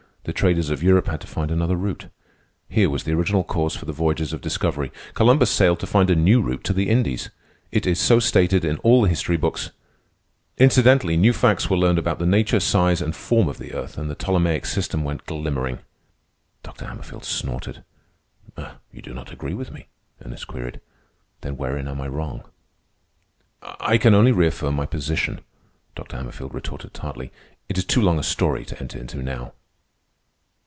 The traders of Europe had to find another route. Here was the original cause for the voyages of discovery. Columbus sailed to find a new route to the Indies. It is so stated in all the history books. Incidentally, new facts were learned about the nature, size, and form of the earth, and the Ptolemaic system went glimmering." Dr. Hammerfield snorted. "You do not agree with me?" Ernest queried. "Then wherein am I wrong?" "I can only reaffirm my position," Dr. Hammerfield retorted tartly. "It is too long a story to enter into now."